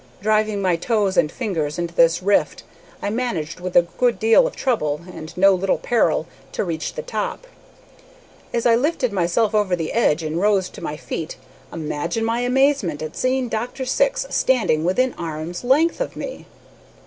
Driving my toes and fingers into this rift, I managed, with a good deal of trouble, and no little peril, to reach the top. As I lifted myself over the edge and rose to my feet, imagine my amazement at seeing Dr. Syx standing within arm's length of me!